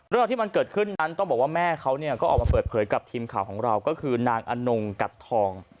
เรื่องที่มันเกิดขึ้นนั้นต้องบอกว่าแม่เขาก็ออกมาเปิดเผยกับทีมข่าวของเราก็คือนางอนงกัดทอง